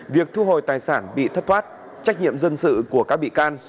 việc thu hồi tài sản bị thất thoát trách nhiệm dân sự của các bị can